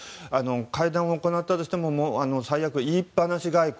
会談を行ったとしても最悪、言いっぱなし外交。